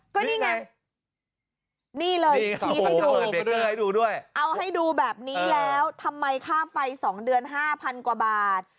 ก็นี่ไงนี่เลยชี้ให้ดูด้วยเอาให้ดูแบบนี้แล้วทำไมค่าไฟ๒เดือน๕๐๐กว่าบาท